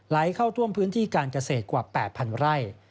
เข้าท่วมพื้นที่การเกษตรกว่า๘๐๐ไร่